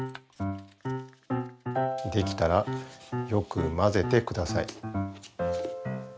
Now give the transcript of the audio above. できたらよく交ぜてください。